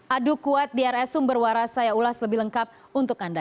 adu kuat di rs sumber waras saya ulas lebih lengkap untuk anda